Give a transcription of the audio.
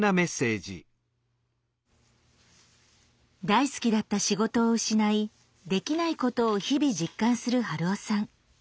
大好きだった仕事を失いできないことを日々実感する春雄さん。